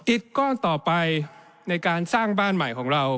ก้อนต่อไปในการสร้างบ้านใหม่ของเรา